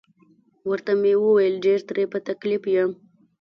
ورته مې وویل: ډیر ترې په تکلیف یم.